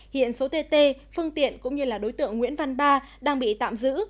hiện số tt phương tiện cũng như là đối tượng nguyễn văn ba đang bị tạm giữ